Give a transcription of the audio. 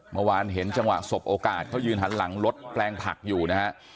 เมื่อวานเห็นจังหวะสบโอกาสเขายืนหันหลังรถแปลงผักอยู่นะฮะ